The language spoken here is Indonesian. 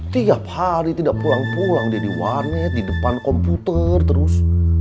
tiap hari tidak pulang pulang dia di warnet di depan komputer terus